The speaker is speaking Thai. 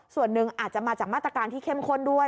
ส่วนหนึ่งอาจจะมาจากมาตรการที่เข้มข้นด้วย